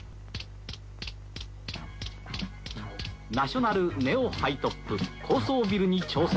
ナショナルネオハイトップ高層ビルに挑戦